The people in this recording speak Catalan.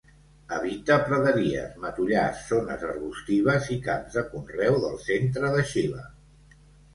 Habita praderies, matollars, zones arbustives i camps de conreu del centre de Xile.